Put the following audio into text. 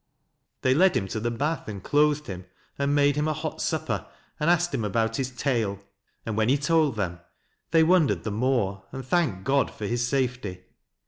They led him to the bath, and clothed him, and made him a hot supper, and asked him about his tale; and when he told them, they wondered the more, and thanked God for his safety.